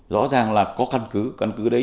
rõ ràng là có căn cứ căn cứ đấy